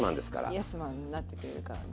イエスマンになってくれるからね。